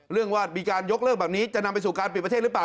ว่ามีการยกเลิกแบบนี้จะนำไปสู่การปิดประเทศหรือเปล่า